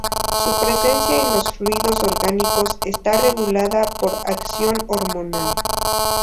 Su presencia en los fluidos orgánicos está regulada por acción hormonal.